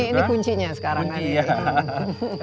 ini kuncinya sekarang